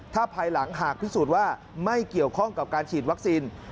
ถ้าภายหลังหากพิสูจน์ว่าไม่เกี่ยวข้องกับการฉีดวัคซีน